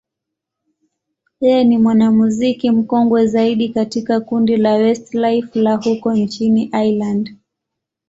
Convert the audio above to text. yeye ni mwanamuziki mkongwe zaidi katika kundi la Westlife la huko nchini Ireland.